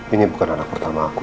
ini bukan anak pertama aku